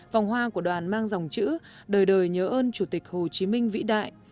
vòng hoa của đoàn mang dòng chữ đời đời nhớ ơn chủ tịch hồ chí minh vĩ đại